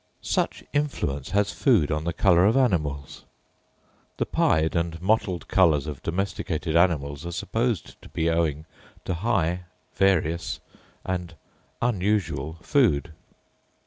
Such influence has food on the colour of animals! The pied and mottled colours of domesticated animals are supposed to be owing to high, various, and unusual food.